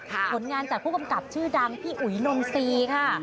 ผลงานจากผู้กำกับชื่อดังพี่อุ๋ยนมซีค่ะ